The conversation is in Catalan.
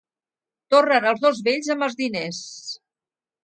Tornen els dos vells amb els diners.